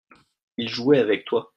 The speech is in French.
il jouait avec toi.